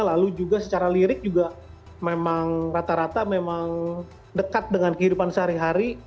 lalu juga secara lirik juga memang rata rata memang dekat dengan kehidupan sehari hari